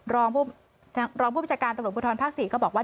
รองผู้พิจารการตำรวจบุทธรรมภาค๔ก็บอกว่า